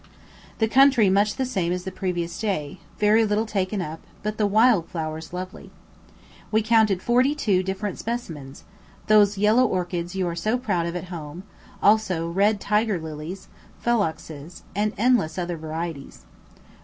The country much the same as the previous day, very little taken up; but the wild flowers lovely. We counted forty two different specimens; those yellow orchids you are so proud of at home, also red tiger lilies, phloxes, and endless other varieties.